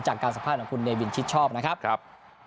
จากการสัมภาษณ์ของคุณเนวินชิดชอบนะครับ